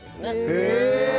へえ